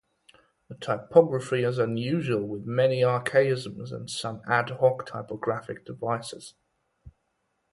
The typography is unusual, with many archaisms and some ad hoc typographic devices.